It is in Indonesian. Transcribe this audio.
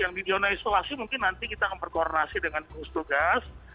yang di zona isolasi mungkin nanti kita akan berkoordinasi dengan gugus tugas